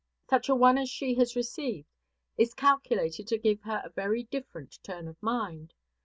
Such a one as she has received is calculated to give her a very different turn of mind.